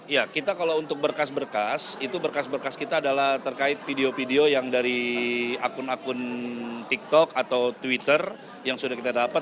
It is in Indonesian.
ya kita kalau untuk berkas berkas itu berkas berkas kita adalah terkait video video yang dari akun akun tiktok atau twitter yang sudah kita dapat